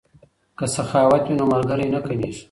که سخاوت وي نو ملګری نه کمیږي.